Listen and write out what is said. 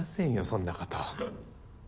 そんなこと。